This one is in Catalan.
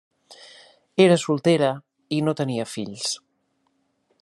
Era soltera i no tenia fills.